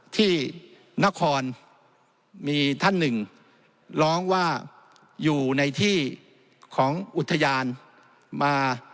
ที่นครมีท่านหนึ่งร้องว่าอยู่ในที่ของอุทยานมา